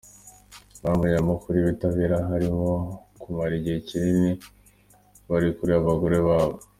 Impamvu nyamukuru ibibatera harimo kumara igihe kinini bari kure y’abagore babo.